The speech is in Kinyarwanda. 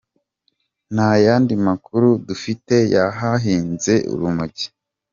Nta yandi makuru dufite y’ahahinze urumogi.